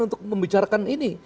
untuk membicarakan ini